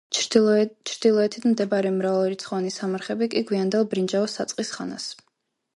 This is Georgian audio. ჩრდილოეთით მდებარე მრავალრიცხოვანი სამარხები კი გვიანდელ ბრინჯაოს საწყის ხანას.